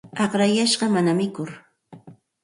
Aqrayashqa mana mikur.